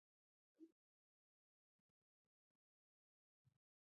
د ټپیانو شمېر معلوم نه وو.